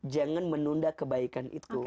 jangan menunda kebaikan itu